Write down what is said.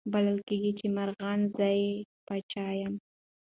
بلل کیږي چي مرغان زه یې پاچا یم